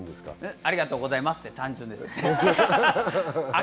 ありがとうございますって単純ですね。